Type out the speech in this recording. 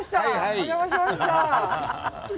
お邪魔しました。